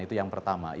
itu yang pertama